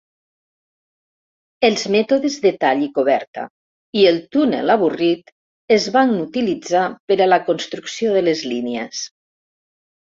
Els mètodes de tall i coberta i el túnel avorrit es van utilitzar per a la construcció de les línies.